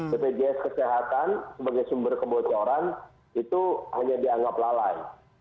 bpjs kesehatan sebagai sumber kebocoran itu hanya dianggap lalai